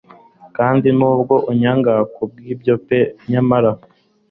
Kandi nubwo unyanga kubwibyo pe nyamara